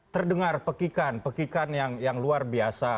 terdengar pekikan pekikan yang luar biasa